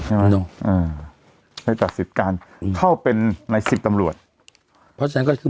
ไม่รู้อ่าให้ตัดสิทธิ์การเข้าเป็นในสิบตำรวจเพราะฉะนั้นก็คือ